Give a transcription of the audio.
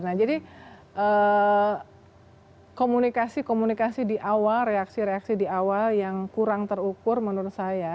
nah jadi komunikasi komunikasi di awal reaksi reaksi di awal yang kurang terukur menurut saya